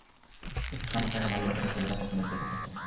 চোখের সামনে থাকা ভালোবাসাকে ছেলেরা কখনোই দেখে না।